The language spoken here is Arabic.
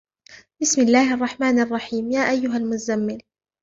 بسم الله الرحمن الرحيم يا أيها المزمل